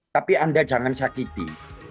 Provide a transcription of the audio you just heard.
tapi anda jangan sakiti